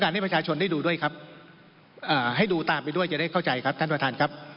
ให้ประชาชนได้ดูด้วยครับให้ดูตามไปด้วยจะได้เข้าใจครับท่านประธานครับ